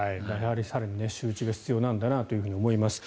更に周知が必要なんだなと思います。